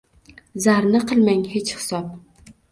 Zarni qilmang hech hisob.